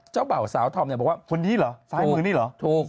เบาสาวธอมเนี่ยบอกว่าคนนี้เหรอซ้ายมือนี่เหรอถูก